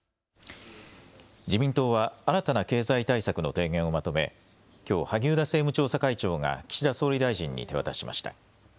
自民党は新たな経済対策の提言をまとめきょう、萩生田政務調査会長が岸田総理大臣に手渡しました。